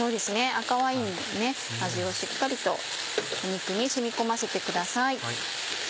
赤ワインの味をしっかりと肉に染み込ませてください。